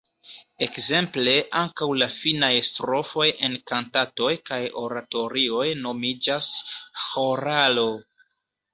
Ekzemple ankaŭ la finaj strofoj en kantatoj kaj oratorioj nomiĝas „ĥoralo“.